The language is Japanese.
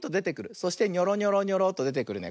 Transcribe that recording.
そしてニョロニョロニョロとでてくるね。